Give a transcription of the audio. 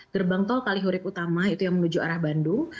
gerbang tol kalihurip utama itu yang menuju arah bandung